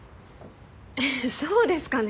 えっそうですかね？